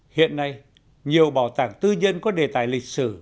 hiện nay nhiều bảo tàng tư nhân có đề tài lịch sử